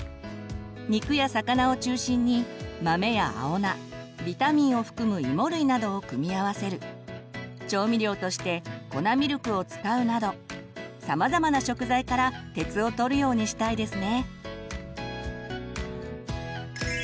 肉や魚を中心に豆や青菜ビタミンを含むいも類などを組み合わせる調味料として粉ミルクを使うなどさまざまな食材から鉄をとるようにしたいですね。